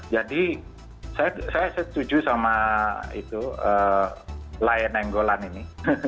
jadi saya setuju sama itu layan nenggolan ini